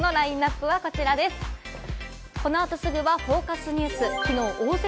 ５月９日のラインナップ、こちらです。